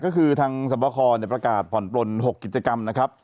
ก็คือทางสวบคประกาศผ่อนปลน๖กิจกรรมนะครับ